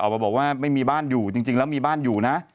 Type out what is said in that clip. มาบอกว่าไม่มีบ้านอยู่จริงแล้วมีบ้านอยู่นะ